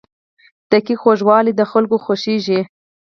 د کیک خوږوالی د خلکو خوښیږي.